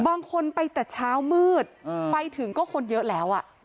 บางคนไปแต่เช้ามืดไปถึงก็คนเยอะแล้ว